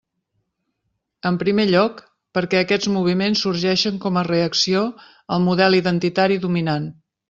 En primer lloc, perquè aquests moviments sorgeixen com a reacció al model identitari dominant.